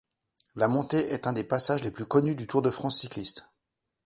La montée est un des passages les plus connus du Tour de France cycliste.